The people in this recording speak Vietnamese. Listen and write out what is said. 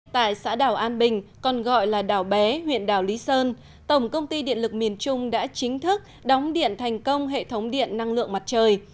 tại xã đảo an bình còn gọi là đảo bé huyện đảo lý sơn tổng công ty điện lực miền trung đã chính thức đóng điện thành công hệ thống điện năng lượng mặt trời